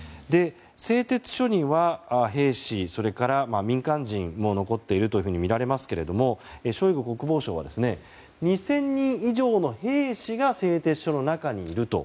製鉄所には兵士、それから民間人も残っているというふうに見られますけどショイグ国防相は２０００人以上の兵士が製鉄所の中にいると。